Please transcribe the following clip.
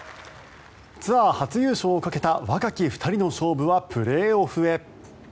ツアー初優勝をかけた若き２人の勝負はプレーオフへ。